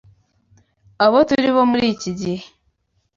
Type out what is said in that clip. Abo turi bo muri iki gihe,